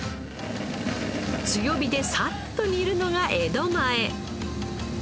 強火でさっと煮るのが江戸前。